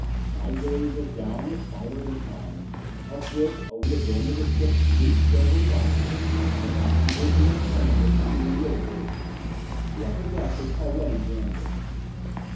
My gaze was down on the spider incline, up which, over the bend of the ship's sleek, silvery body, the passengers and their friends were coming in little groups. The upper deck was already jammed with them.